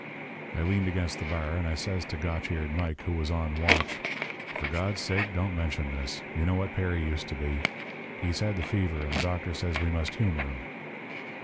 "I leaned against the bar, and I says to Gotch eared Mike, who was on watch: "'For God's sake don't mention this. You know what Perry used to be. He's had the fever, and the doctor says we must humour him.'